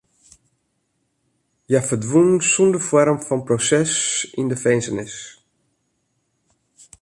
Hja ferdwûn sonder foarm fan proses yn de finzenis.